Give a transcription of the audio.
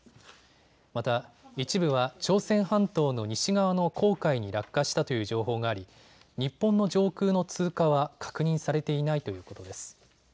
また一部は朝鮮半島の西側の黄海に落下したという情報があり日本の上空の通過は確認されていないということです。